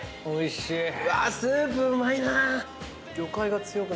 おいしい。